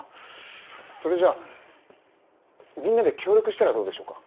それじゃみんなで協力したらどうでしょうか？